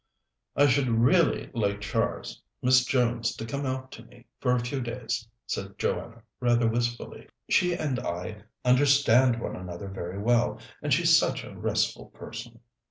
"I should really like Char's Miss Jones to come out to me for a few days," said Joanna, rather wistfully. "She and I understand one another very well, and she's such a restful person."